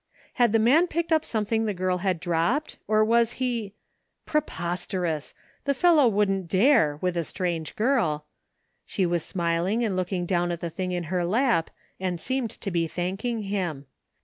Had the man picked up something the girl had 21 THE FINDING OF JASPER HOLT dropped or was he ? Preposterous! The fellow wouldn't dare, with a strange girl. She was smiling and looking down at the thing in her lap and seemed to be thanking him.